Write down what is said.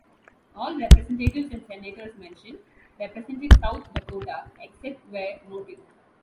All representatives and senators mentioned represented South Dakota except where noted.